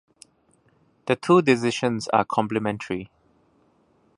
The two decisions are complementary.